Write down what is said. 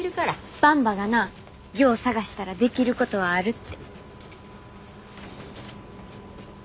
ばんばがなよう探したらできることはあるって。